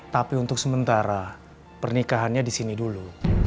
tapi untuk sementara pernikahannya di sini dulu